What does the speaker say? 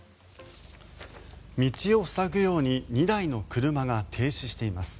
道を塞ぐように２台の車が停止しています。